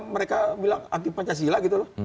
mereka bilang aktif pancasila gitu loh